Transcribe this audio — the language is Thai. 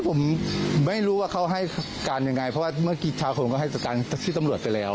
ผมไม่รู้ว่าเขาให้การยังไงเพราะว่าเมื่อกี้เช้าผมก็ให้ตำรวจไปแล้ว